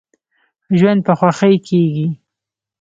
ژوند په خوښۍ کیږي.